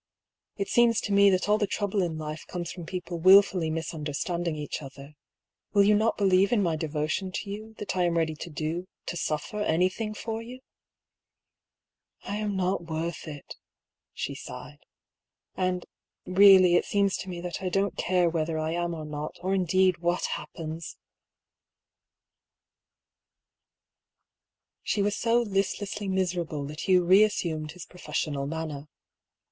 " It seems to me that all the trouble in life comes from people wilfully misunderstanding each other. Will you not believe in my devotion to you, that I am ready to do, to suffer anything for you ?"" I am not worth it," she sighed. " And — really it seems to me that I don't care whether I am or not, or indeed, what happens 1 " She was so listlessly miserable that Hugh re assumed his professional manner.